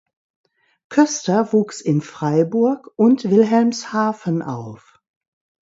Koester wuchs in Freiburg und Wilhelmshaven auf.